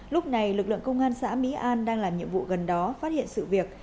lúc này lực lượng công an xã mỹ an đang làm nhiệm vụ gần đó phát hiện sự việc